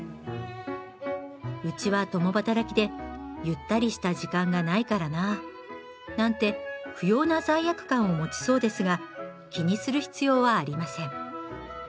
うちは共働きでゆったりした時間がないからななんて不要な罪悪感を持ちそうですが気にする必要はありません。